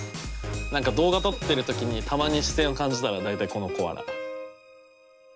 なんか動画撮ってる時にたまに視線を感じたら大体このコアラ。